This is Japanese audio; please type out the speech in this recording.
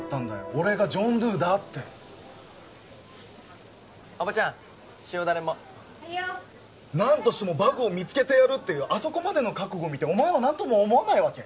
俺がジョン・ドゥだっておばちゃん塩ダレも・はいよ何としてもバグを見つけてやるっていうあそこまでの覚悟見てお前は何とも思わないわけ？